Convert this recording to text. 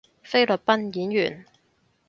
菲律賓演員